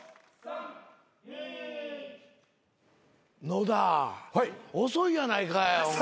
野田遅いやないかいお前。